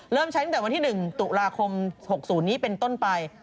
ใช้ตั้งแต่วันที่๑ตุลาคม๖๐นี้เป็นต้นไป